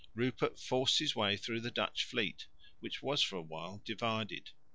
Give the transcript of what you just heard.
Rupert forced his way through the Dutch fleet, which was for awhile divided.